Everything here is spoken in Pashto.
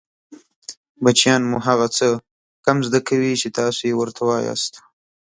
بچیان مو هغه څه کم زده کوي چې تاسې يې ورته وایاست